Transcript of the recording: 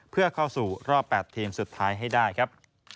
เพื่อเข้าสู่รอบ๘ทีมสุดท้ายให้ได้ครับ